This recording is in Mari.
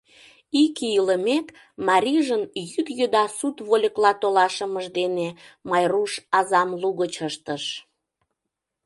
Ик ий илымек, марийжын йӱд еда сут вольыкла толашымыж дене Майруш азам лугыч ыштыш.